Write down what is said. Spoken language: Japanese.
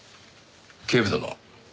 警部殿。